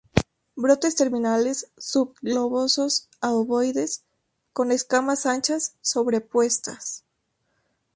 Brotes terminales subglobosos a ovoides, con escamas anchas, sobrepuestas.